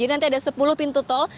jadi nanti ada sepuluh pintu tol